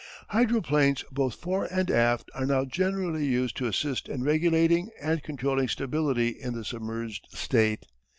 Hydroplanes both fore and aft are now generally used to assist in regulating and controlling stability in the submerged state.